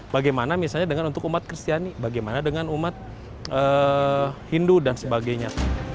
bagaimana misalnya dengan untuk umat kristiani bagaimana dengan umat hindu dan sebagainya